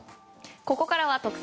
ここからは特選！